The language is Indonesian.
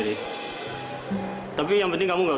dan kita gamau mau mulai pikir